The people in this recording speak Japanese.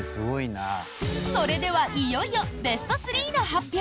それではいよいよベスト３の発表。